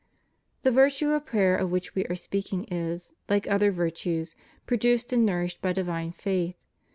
The virtue of prayer of which we are speaking is, like other virtues, produced and nourished by divine faith.